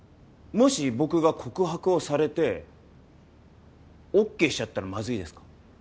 もし僕が告白をされてＯＫしちゃったらまずいですか？